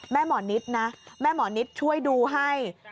หมอนิดนะแม่หมอนิดช่วยดูให้